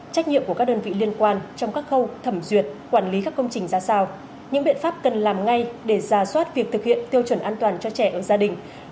trách nhiệm của các đơn vị liên quan trong các khâu thẩm duyệt quản lý các công trình ra sao những biện pháp cần làm ngay để ra soát việc thực hiện tiêu chuẩn an toàn cho trẻ ở gia đình